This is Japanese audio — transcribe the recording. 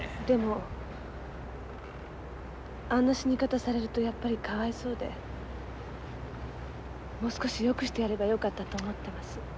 でもあんな死に方されるとやっぱりかわいそうでもう少しよくしてやればよかったと思ってます。